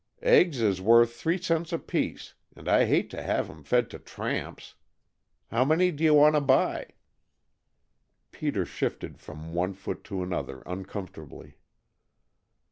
"Eggs is worth three cents apiece, and I hate to have 'em fed to tramps. How many do you want to buy?" Peter shifted from one foot to another uncomfortably.